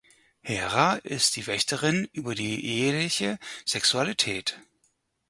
Hera ist Wächterin über die eheliche Sexualität.